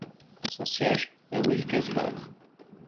Son siège est Wilkes-Barre.